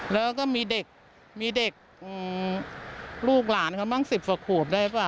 แล้วก็มีเด็กมีเด็กลูกหลานเขาบ้าง๑๐กว่าขวบได้ป่ะ